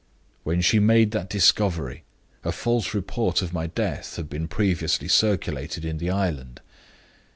When she made that discovery, a false report of my death had been previously circulated in the island.